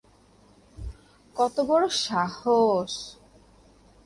কত বড় সাহস?